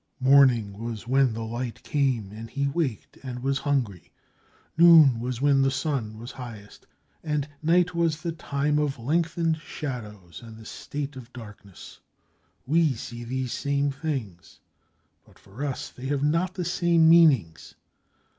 Morning was when the light came, and he waked and was hungry; noon was when the sun was highest, and night was the time of lengthened shadows and the state of darkness. We see these same things, but, for us, they have not the same meanings.